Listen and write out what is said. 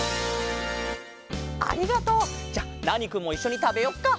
ありがとう！じゃあナーニくんもいっしょにたべよっか。